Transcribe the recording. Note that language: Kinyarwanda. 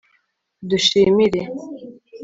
dushimire